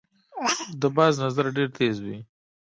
د باز نظر ډیر تېز وي